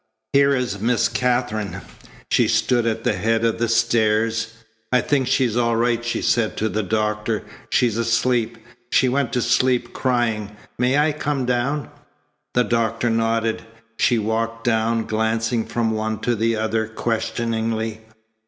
"Here is Miss Katherine." She stood at the head of the stairs. "I think she's all right," she said to the doctor. "She's asleep. She went to sleep crying. May I come down?" The doctor nodded. She walked down, glancing from one to the other questioningly.